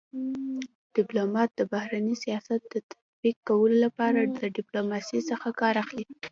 ډيپلومات دبهرني سیاست د تطبيق کولو لپاره د ډيپلوماسی څخه کار اخلي.